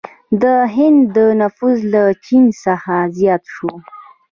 د هند نفوس له چین څخه زیات شو.